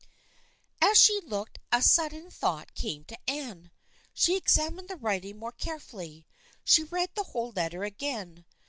As she looked a sudden thought came to Anne. She examined the writing more carefully. She read the whole letter again.